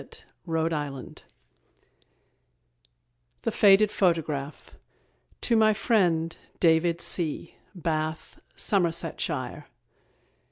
_ THE FADED PHOTOGRAPH. TO MY FRIEND, DAVID C , BATH, SOMERSETSHIRE.